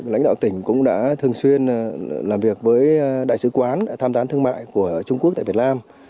lãnh đạo tỉnh cũng đã thường xuyên làm việc với đại sứ quán tham tán thương mại của trung quốc tại việt nam